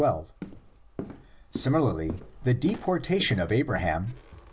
12); similarly, the deportation of Abraham (xii.